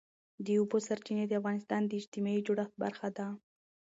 د اوبو سرچینې د افغانستان د اجتماعي جوړښت برخه ده.